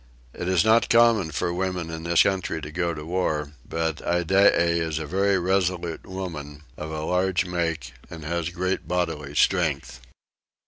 It is not common for women in this country to go to war, but Iddeah is a very resolute woman, of a large make, and has great bodily strength.